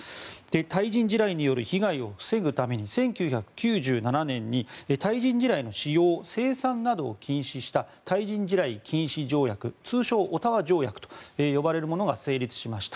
対人地雷による被害を防ぐために１９９７年に対人地雷の使用・生産などを禁止した対人地雷禁止条約通称・オタワ条約と呼ばれるものが成立しました。